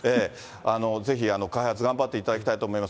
ぜひ開発頑張っていただきたいと思います。